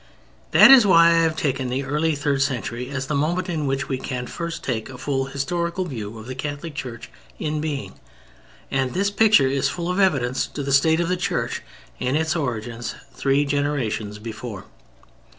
That is why I have taken the early third century as the moment in which we can first take a full historical view of the Catholic Church in being, and this picture is full of evidence to the state of the Church in its origins three generations before.